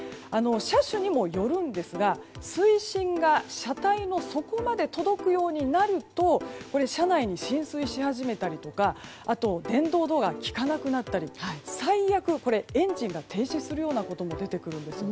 車種にもよるんですが水深が車体の底まで届くようになると車内に浸水し始めたり電動ドアがきかなくなったり最悪、エンジンが停止するようなことも起きます。